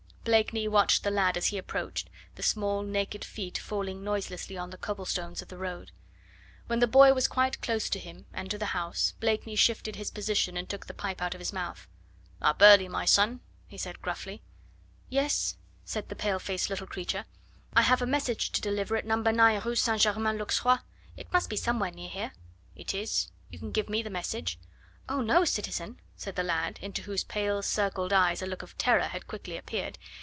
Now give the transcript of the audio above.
Blakeney watched the lad as he approached, the small, naked feet falling noiselessly on the cobblestones of the road. When the boy was quite close to him and to the house, Blakeney shifted his position and took the pipe out of his mouth. "Up early, my son!" he said gruffly. "Yes," said the pale faced little creature; "I have a message to deliver at No. 9 Rue St. Germain l'Auxerrois. It must be somewhere near here." "It is. You can give me the message." "Oh, no, citizen!" said the lad, into whose pale, circled eyes a look of terror had quickly appeared.